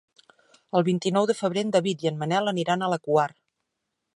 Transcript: El vint-i-nou de febrer en David i en Manel aniran a la Quar.